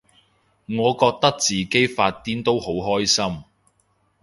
我覺得自己發癲都好開心